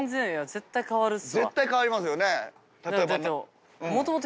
絶対変わりますよね。